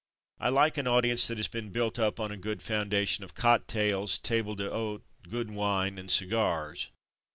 I like an audience that has been built up on a good foundation of cocktails, table d'hote, good wine, and cigars.